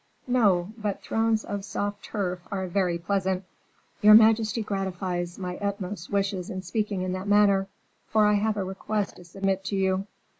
"No; but thrones of soft turf are very pleasant." "Your majesty gratifies my utmost wishes in speaking in that manner, for I have a request to submit to you."